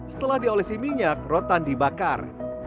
setelah diolesi minyak rotan dibakar